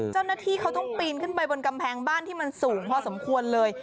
เจ้าหน้าที่เขาต้องปีนขึ้นไปบนกำแพงบ้านที่มันสูงพอสมควรเลย